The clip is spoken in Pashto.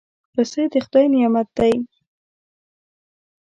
پسه د خدای نعمت دی.